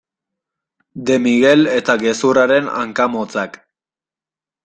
De Miguel eta gezurraren hanka motzak.